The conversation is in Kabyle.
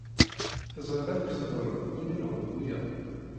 Teẓriḍ amek tḍerru d win inehhun wiyaḍ?